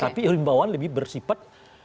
tapi himbauan lebih bersifat